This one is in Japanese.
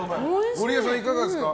ゴリエさん、いかがですか？